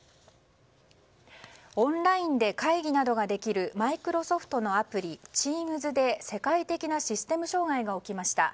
オンラインで会議などができるマイクロソフトのアプリＴｅａｍｓで世界的なシステム障害が起きました。